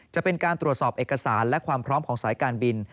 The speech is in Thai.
จะเป็นการตรวจสอบเอกสารและความพร้อมของสายการบิน